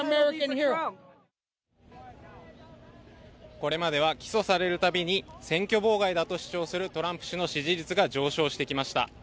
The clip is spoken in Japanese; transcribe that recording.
これまでは起訴されるたびに選挙妨害だとするトランプ氏の支持率が上昇してきました。